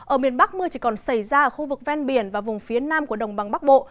ở miền bắc mưa chỉ còn xảy ra ở khu vực ven biển và vùng phía nam của đồng bằng bắc bộ